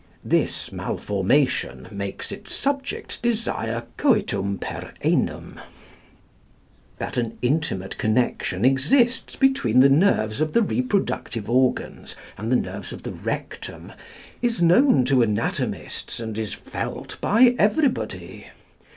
This malformation makes its subject desire coitum per anum. That an intimate connection exists between the nerves of the reproductive organs and the nerves of the rectum is known to anatomists and is felt by everybody.